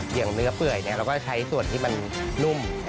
อย่างเนื้อเปื่อยเราก็ใช้ส่วนที่มันนุ่ม